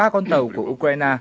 ba con tàu của ukraine